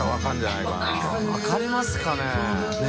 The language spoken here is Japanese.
分かりますかね？